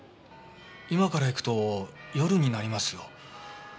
今から行くと夜になりますよ？